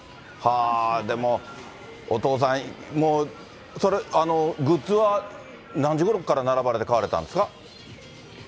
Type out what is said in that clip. でも、お父さん、もう、グッズは何時ごろから並ばれて買われたんですか？